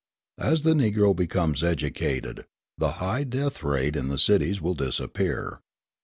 As the Negro becomes educated, the high death rate in the cities will disappear.